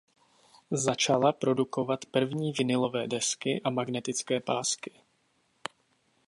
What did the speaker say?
Začala produkovat první vinylové desky a magnetické pásky.